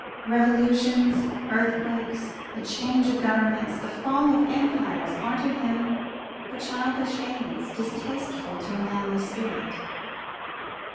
Revolutions, earthquakes, the change of governments, the fall of empires, are to him but childish games, distasteful to a manly spirit.